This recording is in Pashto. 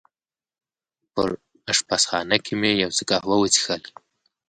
په اشپزخانه کې مې یو څه قهوه وڅېښل.